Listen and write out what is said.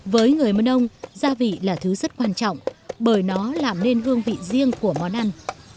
với người mơn ông gia vị là thứ rất quan trọng bởi nó làm nên hương vị riêng của món ăn